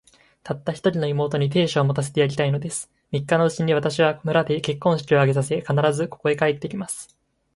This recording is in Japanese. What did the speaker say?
たった一人の妹に、亭主を持たせてやりたいのです。三日のうちに、私は村で結婚式を挙げさせ、必ず、ここへ帰って来ます。